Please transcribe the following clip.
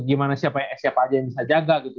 gimana siapa aja yang bisa jaga gitu